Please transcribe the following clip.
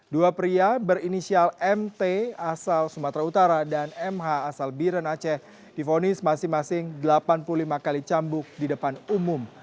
dua pria berinisial mt asal sumatera utara dan mh asal biren aceh difonis masing masing delapan puluh lima kali cambuk di depan umum